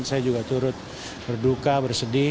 saya juga turut berduka bersedih